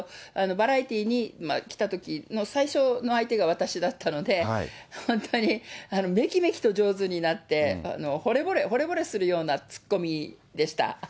バラエティーに来たときの最初の相手が私だったので、本当にめきめきと上手になって、ほれぼれするような突っ込みでした。